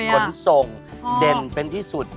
ขนส่งเด่นเป็นที่สุด